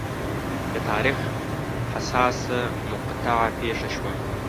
د تاریخ حساسه مقطعه پېښه شوه.